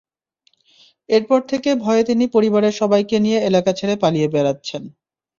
এরপর থেকে ভয়ে তিনি পরিবারের সবাইকে নিয়ে এলাকা ছেড়ে পালিয়ে বেড়াচ্ছেন।